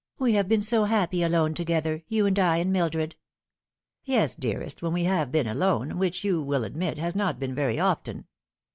" We have been so happy alone to gether you and I and Mildred." " Yes, dearest, when we have been alone, which, you will admit, has not been very often."